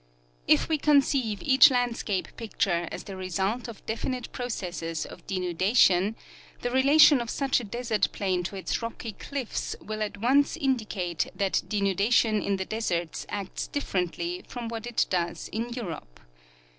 If we conceive each landscape picture as the result of definite processes of denudation, the relation of such a desert plain to its rocky cliffs Avill at once indicate that denudation in the deserts acts differently from what it does in Europe.